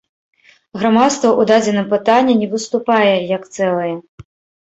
Грамадства ў дадзеным пытанні не выступае як цэлае.